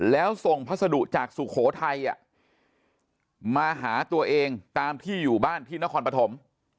แล้วส่งพัสดุจากสุโขทัยมาหาตัวเองตามที่อยู่บ้านที่นครปฐม